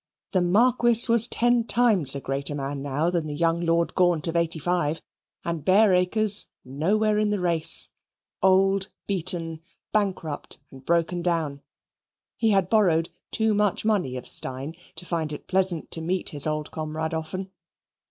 The Marquis was ten times a greater man now than the young Lord Gaunt of '85, and Bareacres nowhere in the race old, beaten, bankrupt, and broken down. He had borrowed too much money of Steyne to find it pleasant to meet his old comrade often.